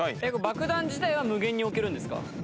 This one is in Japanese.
爆弾自体は無限に置けるんですか？